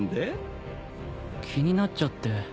気になっちゃって。